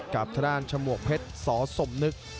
กับทางด้านฉมวกเพชรสสมนึก